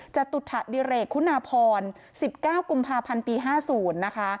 จตุดิเรกคุณาพร๑๙กุมภาพันธ์ปี๕๐นะคะ